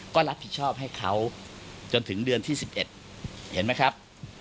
ก็รับผิดชอบให้เขาจนถึงเดือนที่๑๑เห็นไหมครับ